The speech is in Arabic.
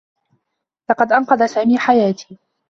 لقد أنقذ سامي حياتي.